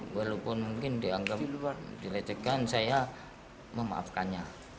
walaupun mungkin dianggap dilecehkan saya memaafkannya